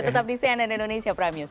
tetap di cnn indonesia prime news